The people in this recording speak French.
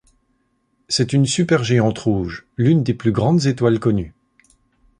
C'est une supergéante rouge, l'une des plus grandes étoiles connues.